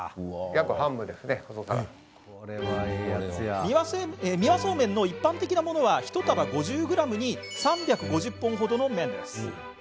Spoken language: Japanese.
三輪そうめんの一般的なものは一束５０ｇに、３５０本程の麺。